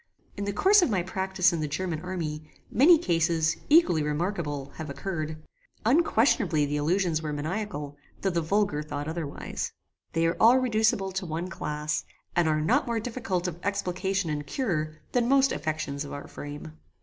"In the course of my practice in the German army, many cases, equally remarkable, have occurred. Unquestionably the illusions were maniacal, though the vulgar thought otherwise. They are all reducible to one class, [*] and are not more difficult of explication and cure than most affections of our frame."